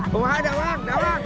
pemaham dah wang dah wang